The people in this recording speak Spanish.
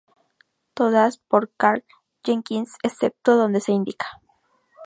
Todas por Karl Jenkins excepto donde se indica.